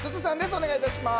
お願いいたします。